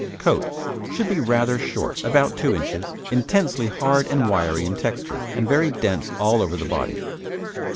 COAT Should be rather short (about 2 inches), intensely hard and wiry in texture, and very dense all over the body.